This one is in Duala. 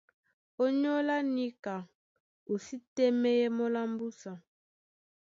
Ónyólá níka o sí tɛ́mɛ́yɛ́ mɔ́ lá mbúsa.